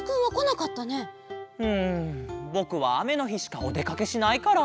うんぼくはあめのひしかおでかけしないから。